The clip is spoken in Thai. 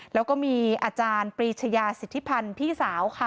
แล้วก็มีอาจารย์ปรีชยาสิทธิพันธ์พี่สาวค่ะ